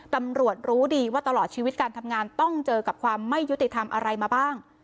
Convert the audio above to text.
ตำรวจรู้ดีว่าตลอดชีวิตการทำงานต้องเจอกับความไม่ยุติธรรมอะไรมาบ้าง